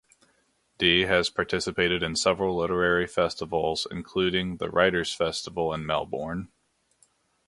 De has participated in several literary festivals, including the Writers' Festival in Melbourne.